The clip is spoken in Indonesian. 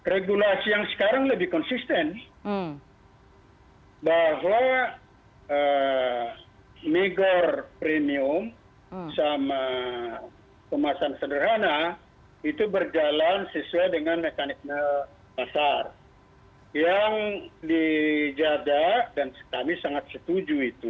regulasi yang sekarang lebih konsisten